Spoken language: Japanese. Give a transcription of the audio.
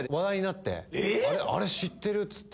あれ知ってる？っつって。